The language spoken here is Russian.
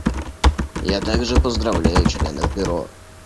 Я также поздравляю членов Бюро.